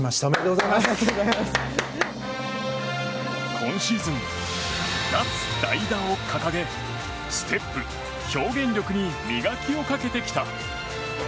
今シーズン、脱・代打を掲げステップ、表現力に磨きをかけてきた。